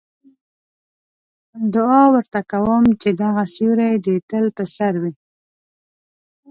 دعا ورته کوم چې دغه سیوری دې تل په سر وي.